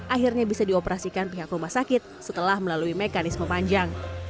akhirnya bisa dioperasikan pihak rumah sakit setelah melalui mekanisme panjang